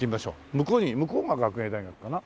向こうに向こうが学芸大学かな？